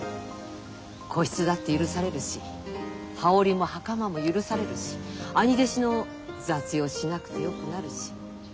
個室だって許されるし羽織も袴も許されるし兄弟子の雑用しなくてよくなるし。